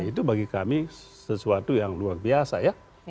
itu bagi kami sesuatu yang luar biasa ya